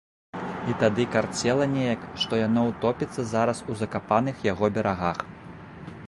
І тады карцела неяк, што яно ўтопіцца зараз у закапаных яго берагах.